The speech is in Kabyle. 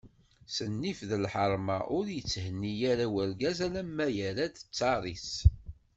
S nnif d lḥerma, ur yetthenni ara urgaz alamma yerra-d ttar-is.